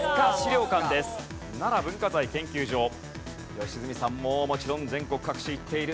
良純さんももちろん全国各地へ行っている。